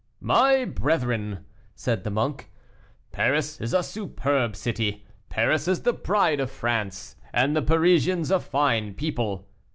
"My brethren," said the monk, "Paris is a superb city; Paris is the pride of France, and the Parisians a fine people."